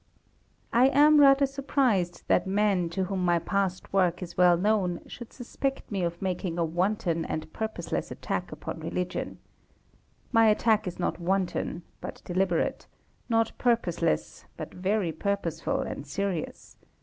I am rather surprised that men to whom my past work is well known should suspect me of making a wanton and purposeless attack upon religion. My attack is not wanton, but deliberate; not purposeless, but very purposeful and serious.